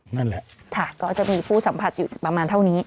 นั่นแหละค่ะก็จะมีผู้สัมผัสอยู่ประมาณเท่านี้